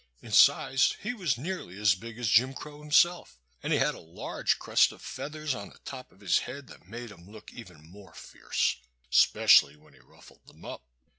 In size he was nearly as big as Jim Crow himself, and he had a large crest of feathers on the top of his head that made him look even more fierce especially when he ruffled them up.